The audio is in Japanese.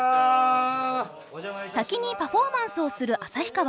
先にパフォーマンスをする旭川。